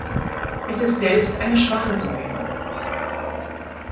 Es ist selbst eine schwache Säure.